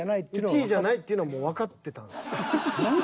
１位じゃないっていうのはもうわかってたんですよ。